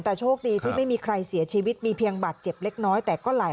แต่โชคดีที่ไม่มีใครเสียชีวิตมีเพียงบาดเจ็บเล็กน้อยแต่ก็ไหล